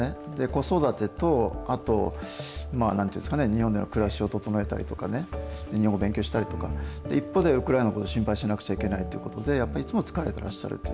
子育てとあと、なんていうんですかね、日本での暮らしを整えたりとか、日本語勉強したりとか、一方で、ウクライナのこと心配しなくちゃいけないということで、やっぱり、いつも疲れてらっしゃる。